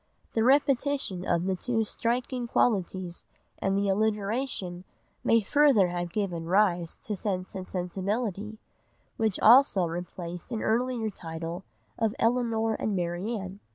The repetition of two striking qualities and the alliteration may further have given rise to Sense and Sensibility, which also replaced an earlier title of Elinor and Marianne.